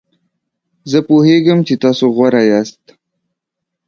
زه پوهیږم چې تاسو غوره یاست.